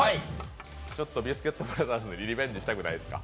ちょっとビスケットブラザーズにリベンジしたくないですか？